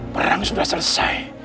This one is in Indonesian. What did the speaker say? perang sudah selesai